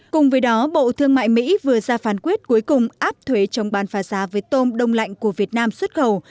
cùng với đó bộ thương mại mỹ vừa ra phán quyết cuối cùng áp thuế chống bán phá giá với tôm đông lạnh của việt nam xuất khẩu